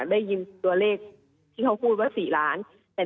ได้ยินตัวเลขที่เขาพูดว่า๔ล้าน